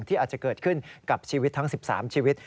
อาจจะเกิดขึ้นกับชีวิตทั้ง๑๓ชีวิต